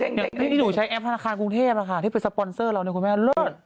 ที่หนูใช้แอปธนาคารกรุงเทพที่ไปสปอนเซอร์เราเนี่ยคุณแม่เลิศ